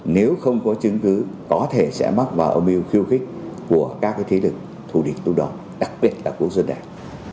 nếu không có chứng cứ có thể sẽ mắc vào âm mưu khiêu khích của các thế lực thủ địch tù đoàn đặc biệt là quốc dân đảng